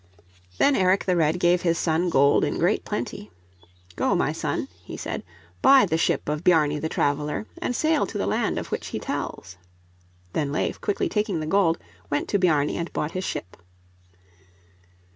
Then Eric the Red gave his son gold in great plenty. "Go, my son," he said, "buy the ship of Bjarni the Traveler, and sail to the land of which he tells." Then Leif, quickly taking the gold, went to Bjarni and bought his ship.